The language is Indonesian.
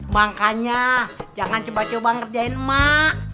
makanya jangan coba coba ngerjain mak